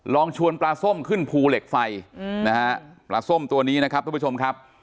ลองชวนปลาส้มขึ้นภูเหล็กไฟนะฮะปลาส้มตัวนี้นะครับทุกผู้ชมครับ